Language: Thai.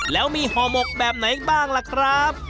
แล้วมีห่อหมกแบบไหนบ้างล่ะครับ